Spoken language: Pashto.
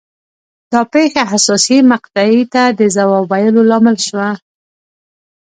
دا پېښه حساسې مقطعې ته د ځواب ویلو لامل شوه.